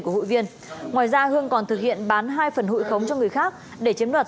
của hụi viên ngoài ra hương còn thực hiện bán hai phần hụi khống cho người khác để chiếm đoạt